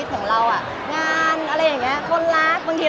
มันเป็นเรื่องน่ารักที่เวลาเจอกันเราต้องแซวอะไรอย่างเงี้ย